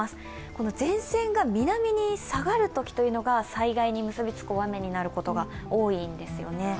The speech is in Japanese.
この前線が南に下がるときが災害に結びつく大雨になることが多いんですよね。